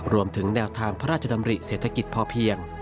รวมถึงแนวทางพระราชดำริเศรษฐกิจพอเพียง